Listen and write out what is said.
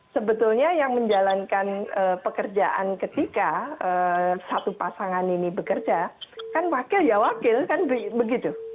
sebetulnya yang menjalankan pekerjaan ketika satu pasangan ini bekerja kan wakil ya wakil kan begitu